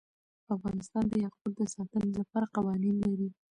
افغانستان د یاقوت د ساتنې لپاره قوانین لري.